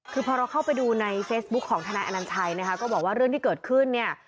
คือพอเราเข้าไปดูในเฟซบุ๊คของทนายอนัญชัยนะคะก็บอกว่าเรื่องที่เกิดขึ้นเนี่ย